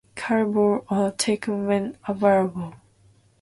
Caribou are taken when available.